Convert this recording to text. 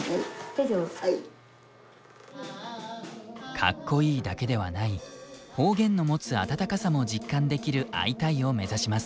かっこいいだけではない方言の持つ温かさも実感できる「アイタイ！」を目指します。